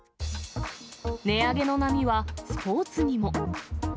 値上げの波は、スポーツにも。